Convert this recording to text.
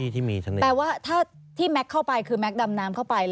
แล้วความเหนื่อยระเนี่ยมันจะมากกว่าเดินปกติตั้งเท่าไหร่